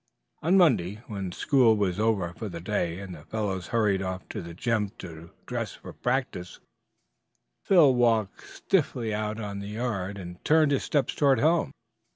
On Monday, when school was over for the day and the fellows hurried over to the gym to dress for practice, Phil walked stiffly out of the yard and turned his steps toward home.